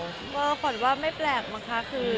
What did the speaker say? ควัญว่าไม่แปลกนะคะ